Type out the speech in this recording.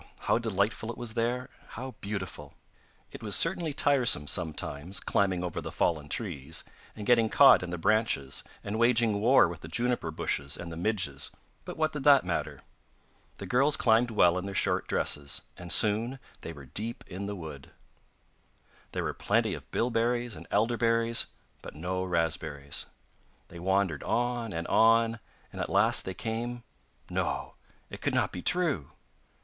how delightful it was there, how beautiful! It was certainly tiresome sometimes climbing over the fallen trees, and getting caught in the branches, and waging war with the juniper bushes and the midges, but what did that matter? The girls climbed well in their short dresses, and soon they were deep in the wood. There were plenty of bilberries and elder berries, but no raspberries. They wandered on and on, and at last they came... No, it could not be true!...